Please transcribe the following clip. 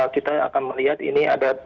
kita akan melihat ini ada